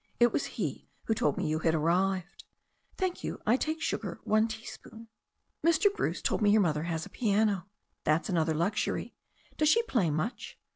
It was he who told me you had arrived. Thank you, I take sugar, one teaspoon. Mr. Bruce told me your mother has a piano. That's another luxury. Does she play much?"